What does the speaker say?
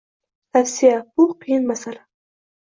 Tavsiya. Bu qiyin masala.